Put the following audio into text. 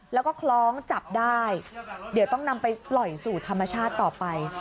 แล้วก็คล้องจับได้เดี๋ยวต้องนำไปปล่อยสู่ธรรมชาติต่อไป